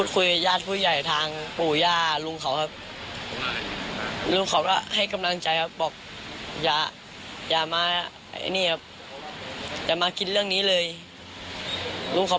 คือนึกสักครั้งเข้าทางขอให้เขาด้วยครับ